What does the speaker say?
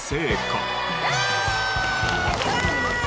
すごーい！